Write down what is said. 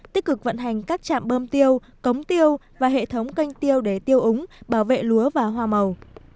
tích cực vận hành các trạm bơm tiêu cống tiêu và hệ thống canh tiêu để tiêu úng bảo vệ lúa và hoa màu